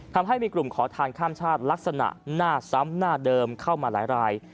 ทำให้มีกลุ่มขอทานข้ามชาติลักษณะหน้าซ้ำหน้าเดิมเข้ามาหลายราย